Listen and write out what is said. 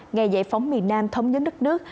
ngày giải phóng miền nam thống nhất đất nước